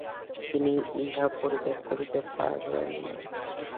তিনি ইহা পরিত্যাগ করিতে পারেন না।